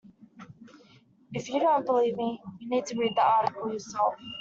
If you don't believe me, you need to read the article yourself